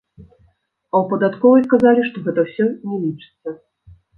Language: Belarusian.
А ў падатковай сказалі, што гэта ўсё не лічыцца.